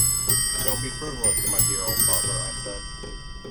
"Don't be frivolous, my dear old butler," I said.